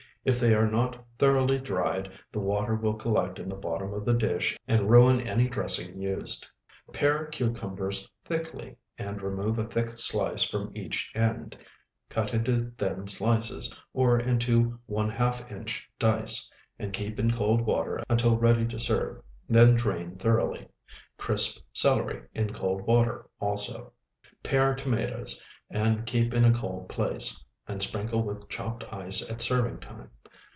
If they are not thoroughly dried, the water will collect in the bottom of the dish and ruin any dressing used. Pare cucumbers thickly, and remove a thick slice from each end; cut into thin slices, or into one half inch dice, and keep in cold water until ready to serve, then drain thoroughly; crisp celery in cold water also. Pare tomatoes, and keep in a cold place, and sprinkle with chopped ice at serving time.